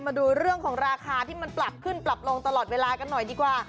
มาดูเรื่องของราคาที่มันปรับขึ้นปรับลงตลอดเวลากันหน่อยดีกว่า